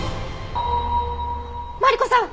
マリコさん